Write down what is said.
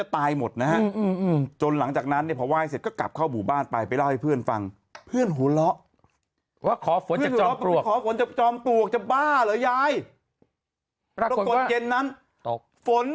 ไม่แล้วก็เผาคนจะจอมตรวกจะบ้าเหรอย้ายรักคนเย็นนั้นตอกฝน